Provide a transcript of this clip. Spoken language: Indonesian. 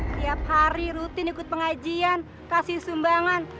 setiap hari rutin ikut pengajian kasih sumbangan